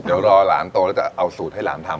เดี๋ยวรอหลานโตแล้วจะเอาสูตรให้หลานทำ